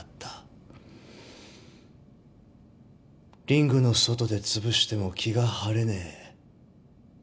リングの外でつぶしても気が晴れねえ。